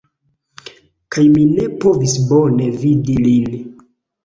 Kaj mi ne povis bone vidi lin